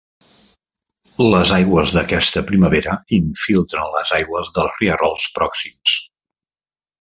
Les aigües d'aquesta primavera infiltren les aigües dels rierols pròxims.